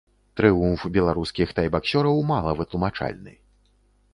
Трыумф беларускіх тайбаксёраў мала вытлумачальны.